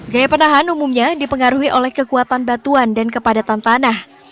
gaya penahan umumnya dipengaruhi oleh kekuatan batuan dan kepadatan tanah